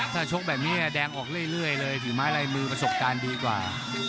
ถ้าชกแบบนี้แดงออกเรื่อยเลยฝีไม้ลายมือประสบการณ์ดีกว่า